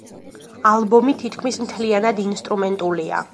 ალბომი თითქმის მთლიანად ინსტრუმენტულია.